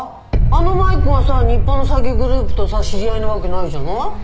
あのマイクがさ日本の詐欺グループとさ知り合いなわけないじゃない。